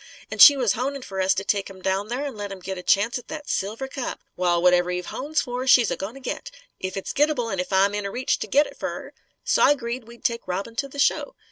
An' she was honin' fer us to take him down there an' let him git a chance at that silver cup. Wal, whatever Eve hones fer, she's a goin' to git if it's gittable an' if I'm in reach to git it fer her. So I 'greed we'd take Robin to the show.